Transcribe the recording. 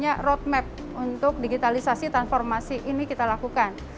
jadi kita punya road map untuk digitalisasi transformasi ini kita lakukan